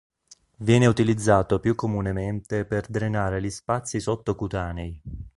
Viene utilizzato più comunemente per drenare gli spazi sottocutanei.